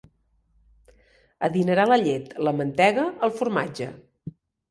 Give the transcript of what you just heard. Adinerar la llet, la mantega, el formatge.